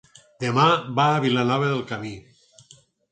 Demà va a Vilanova del Camí.